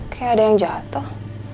kayak ada yang jatuh